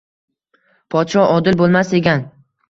Podsho odil bo’lmas, degan